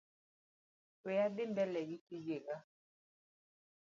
We adhi mbele gi tijega.